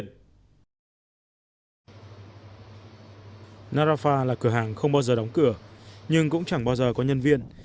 narafah là cửa hàng không bao giờ đóng cửa nhưng cũng chẳng bao giờ có nhân viên